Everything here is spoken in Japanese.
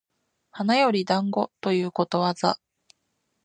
花より団子ということわざ